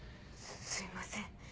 すいません。